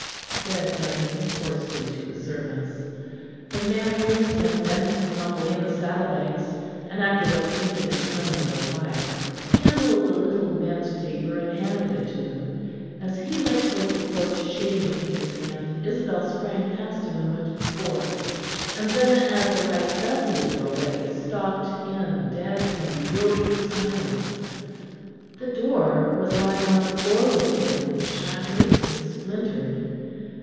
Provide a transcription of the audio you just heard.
said Anthony hoarsely to the servants. The man nearest him bent and fumbled in the saddle bags, and after what seemed an interminable while kindled a little bent taper and handed it to him. As he went towards the porch shading it with his hand, Isabel sprang past him and went before; and then, as the light fell through the doorway, stopped in dead and bewildered silence. The door was lying on the floor within, shattered and splintered.